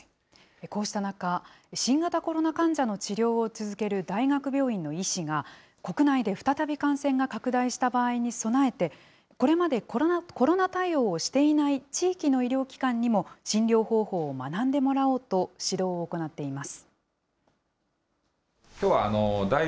こうした中、新型コロナ患者の治療を続ける大学病院の医師が、国内で再び感染が拡大した場合に備えて、これまでコロナ対応をしていない地域の医療機関にも、診療方法を学んでもらおうと、指導を行っています。